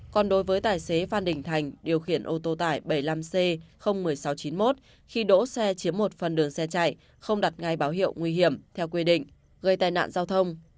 còn đối với tài xế phan đình thành điều khiển ô tô tải bảy mươi năm c một mươi sáu chín mươi một khi đỗ xe chiếm một phần đường xe chạy không đặt ngay báo hiệu nguy hiểm theo quy định gây tai nạn giao thông